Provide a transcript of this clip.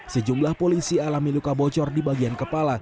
sejumlah polisi alami luka bocor di bagian kepala